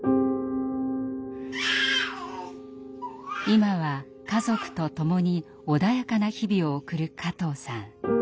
今は家族と共に穏やかな日々を送る加藤さん。